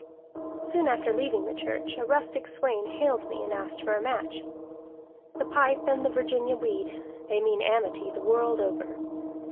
Soon after leaving the church a rustic swain hailed me and asked for a match. The pipe and the Virginia weed they mean amity the world over.